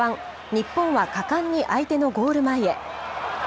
日本は果敢に相手のゴール前へ。